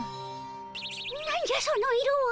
何じゃその色は。